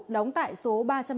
đóng tại số ba trăm linh sáu